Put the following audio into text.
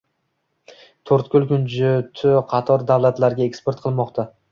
To‘rtko‘l kunjuti qator davlatlarga eksport qilinmoqda